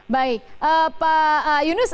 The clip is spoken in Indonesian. baik pak yunus